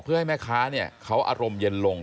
เพื่อให้แม่ค้าเขาอารมณ์เย็นลง